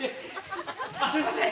すいません！